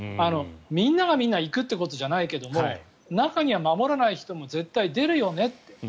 みんながみんな行くということじゃないけれども中には守らない人も絶対出るよねと。